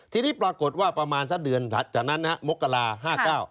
ทีนี้ปรากฏว่าประมาณสักเดือนจากนั้นนะฮะมกราห้าเก้า